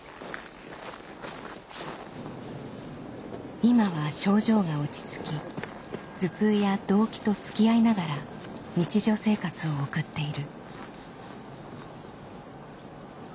今は症状が落ち着き頭痛やどうきとつきあいながら日常生活を送っている。